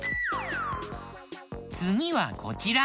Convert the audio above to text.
つぎはこちら。